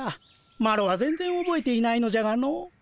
マロは全然おぼえていないのじゃがのう。